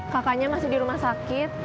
kakaknya masih di rumah sakit